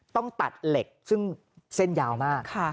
ต้องตัดเหล็กซึ่งเส้นยาวมาก